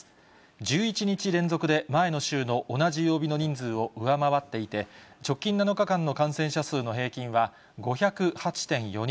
１１日連続で、前の週の同じ曜日の人数を上回っていて、直近７日間の感染者数の平均は５０８．４人。